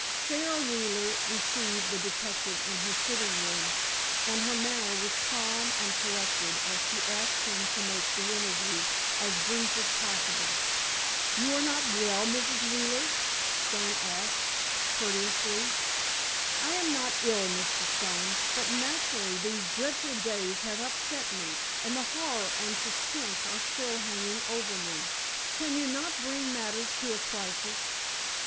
Sara Wheeler received the detective in her sitting room, and her manner was calm and collected as she asked him to make the interview as brief as possible. "You are not well, Mrs. Wheeler?" Stone asked, courteously. "I am not ill, Mr. Stone, but naturally these dreadful days have upset me, and the horror and suspense are still hanging over me. Can you not bring matters to a crisis?